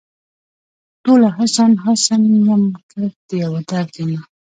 ټوله حسن ، حسن یم کیف د یوه درد یمه